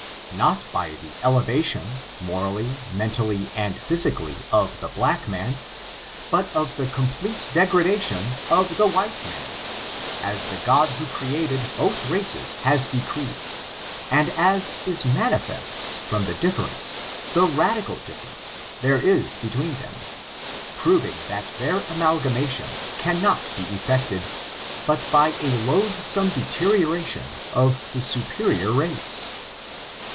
not by the elevation, morally, men tally and physically, of the black man, but of the com plete degradation of the white man, as the God who created both races has decreed, and as is manifest . from the difference^ the radical difference^ there is be tween them, proving that their amalgamation cannot be effected, but by a loathsome deterioration of the superior race.